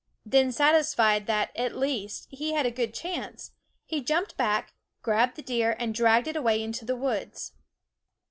Then satisfied that, at least, he had a good chance, he jumped back, grabbed the deer, and dragged it away into the woods.